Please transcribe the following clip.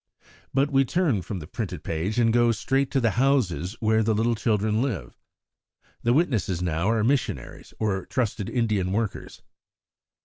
But we turn from the printed page, and go straight to the houses where the little children live. The witnesses now are missionaries or trusted Indian workers.